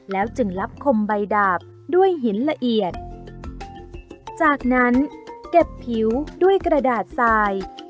จึงรับคมใบดาบด้วยหินละเอียดจากนั้นเก็บผิวด้วยกระดาษทราย